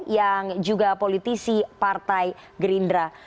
yang juga politisi partai gerindra